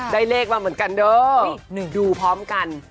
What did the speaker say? ได้เลขมาเหมือนกันเด้อดูพร้อมกัน